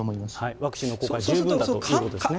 ワクチンの効果、十分だということですね。